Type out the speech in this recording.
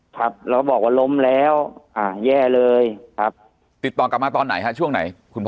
ครับแล้วบอกว่าล้มแล้วอ่าแย่เลยครับติดต่อกลับมาตอนไหนฮะช่วงไหนคุณพ่อ